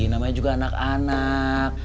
namanya juga anak anak